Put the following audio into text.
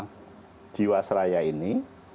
untuk perkara jiwasraya ini